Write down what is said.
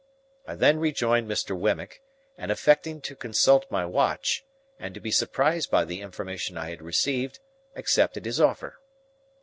I then rejoined Mr. Wemmick, and affecting to consult my watch, and to be surprised by the information I had received, accepted his offer.